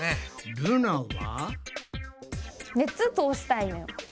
ルナは？